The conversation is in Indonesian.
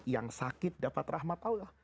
yang sakit dapat rahmat allah